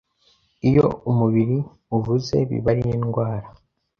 Iyo umubiri uvuze biba ari indwara”